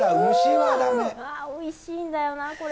おいしいんだよな、これ。